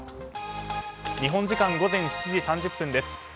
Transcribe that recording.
日本時間午前７時３０分です。